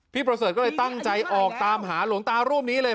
ประเสริฐก็เลยตั้งใจออกตามหาหลวงตารูปนี้เลย